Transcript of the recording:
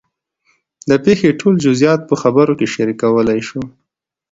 د پېښې ټول جزیات په خبرو کې شریکولی شو.